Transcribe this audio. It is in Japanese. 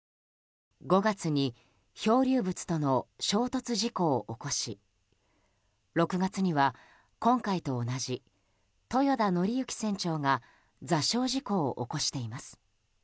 ５月に漂流物との衝突事故を起こし６月には、今回と同じ豊田徳幸船長が座礁事故を起こしています。